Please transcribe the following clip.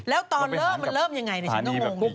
แล้วตอนเริ่มมันเริ่มอย่างไรฉันก็งง